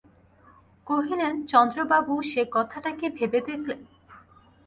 কহিলেন, চন্দ্রবাবু, সে কথাটা কি ভেবে দেখলেন?